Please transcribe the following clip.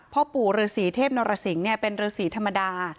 พ่อปู่ฤษีเทพนรสิงศ์เป็นฤษีธรรมดา